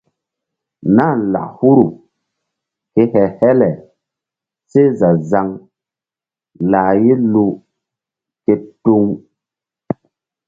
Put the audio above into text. Nah lak huru ke he-hele seh za-zaŋ lah ye luu ke tuŋ.